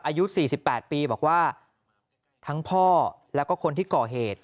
อายุ๔๘ปีบอกว่าทั้งพ่อแล้วก็คนที่ก่อเหตุ